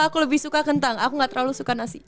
aku lebih suka kentang aku gak terlalu suka nasi